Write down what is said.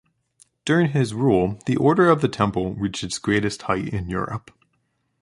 During his rule the Order of the Temple reached its greatest height in Europe.